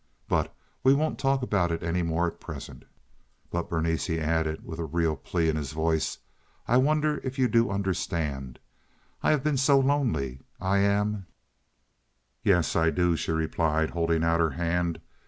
"But we won't talk about it any more at present." "But, Berenice," he added, with a real plea in his voice, "I wonder if you do understand. I have been so lonely—I am—" "Yes, I do," she replied, holding out her hand.